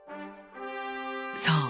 そう！